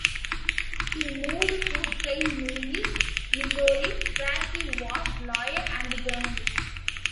He moved to Saint Louis, Missouri, where he was a lawyer and journalist.